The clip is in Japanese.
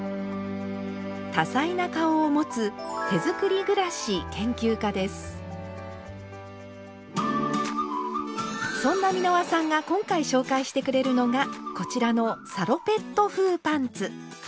多彩な顔をもつそんな美濃羽さんが今回紹介してくれるのがこちらのサロペット風パンツ。